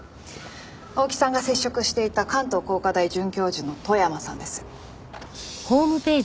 大木さんが接触していた関東工科大准教授の富山さんです。